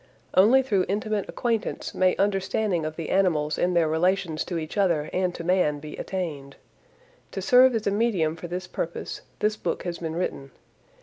Only through intimate acquaintance may understanding of the animals in their relations to each other and to man be attained. To serve as a medium for this purpose this book has been written.